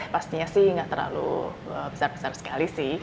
pastinya sih nggak terlalu besar besar sekali sih